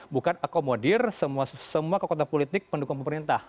bukan akomodir semua kekuatan politik pendukung pemerintah